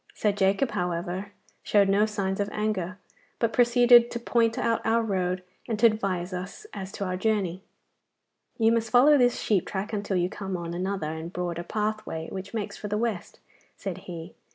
Sir Jacob, however, showed no signs of anger, but proceeded to point out our road and to advise us as to our journey. 'You must follow this sheep track until you come on another and broader pathway which makes for the West,' said he.